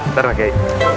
ntar pak yai